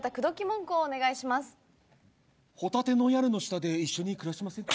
「ホタテの屋根の下で一緒に暮らしませんか」。